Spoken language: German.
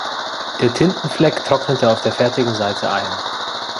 Der Tintenfleck trocknete auf der fertigen Seite ein.